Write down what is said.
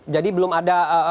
jadi belum ada